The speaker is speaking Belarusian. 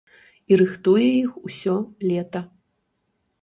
І рыхтуе іх усё лета.